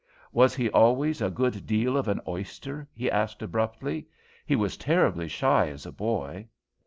"Was he always a good deal of an oyster?" he asked abruptly. "He was terribly shy as a boy."